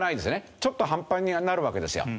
ちょっと半端になるわけですよ。